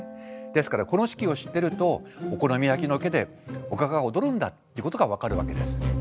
ですからこの式を知ってるとお好み焼きの上でおかかが踊るんだっていうことが分かるわけです。